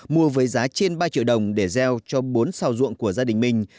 mua với giá trên ba triệu đồng để gieo cho bốn sao ruộng của gia đình mình